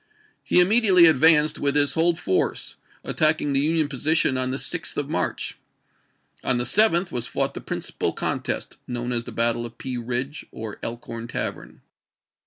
He immediately advanced with his whole force, attacking the Union position on the 6th of March. On the 7th was fought the principal con test, known as the battle of Pea Ridge, or Elkhorn Tavern.